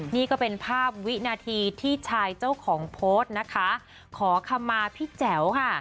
นี่ก็เป็นภาพวินาทีที่ชายเจ้าของโพสต์นะคะขอคำมาพี่แจ๋วค่ะ